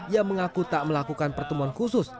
ia mengaku tak melakukan pertemuan khusus